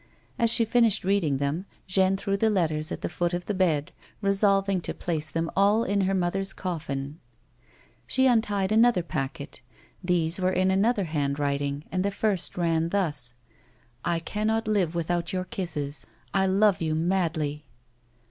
As she finished reading them, Jeanne threw the letters on the foot of the bed, resolving to place them all in her mother's coffin. She imtied another packet. These were in another hand writing, and the first ran thus :" I cannot live without your kisses. I love you madly."